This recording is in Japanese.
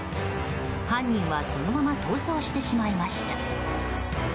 犯人はそのまま逃走してしまいました。